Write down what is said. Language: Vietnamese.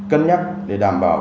cân nhắc để đảm bảo